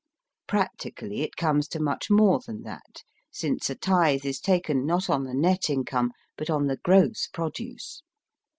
Practically it comes to much more than that, since a tithe is taken not on the net income but on the gross produce.